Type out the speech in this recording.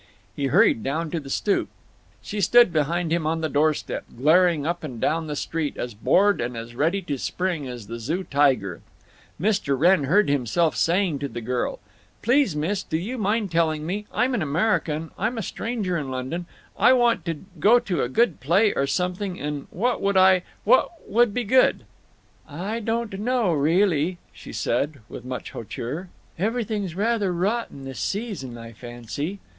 He hurried down to the stoop. She stood behind him on the door step, glaring up and down the street, as bored and as ready to spring as the Zoo tiger. Mr. Wrenn heard himself saying to the girl, "Please, miss, do you mind telling me—I'm an American; I'm a stranger in London—I want to go to a good play or something and what would I—what would be good—" "I don't know, reahlly," she said, with much hauteur. "Everything's rather rotten this season, I fancy."